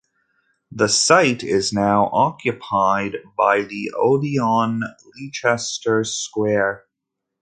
The site is now occupied by the Odeon Leicester Square.